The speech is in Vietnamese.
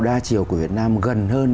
đa chiều của việt nam gần hơn